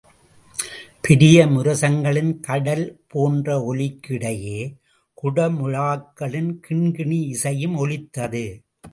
பெரிய முரசங்களின் கடல் போன்ற ஒலிக்கு இடையே, குடமுழாக்களின் கிண்கிணி இசையும் ஒலித்தது.